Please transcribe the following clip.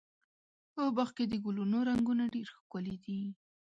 په باغ کې د ګلونو رنګونه ډېر ښکلي دي.